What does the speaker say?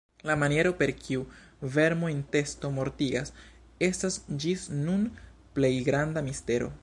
La maniero, per kiu "vermo-intesto" mortigas, estas ĝis nun plej granda mistero.